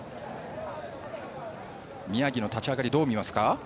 宮城の立ち上がりどう見ますか。